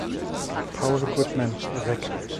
Paul Goodman, reg.